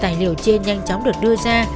tài liệu trên nhanh chóng được đưa ra